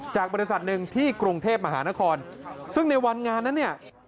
จากบริษัทหนึ่งที่กรุงเทพมหานครซึ่งในวันงานนั้นเนี่ย